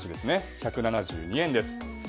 １７２円です。